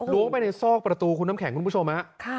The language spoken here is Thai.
ล้วงไปในซอกประตูคุณน้ำแข็งคุณผู้ชมครับ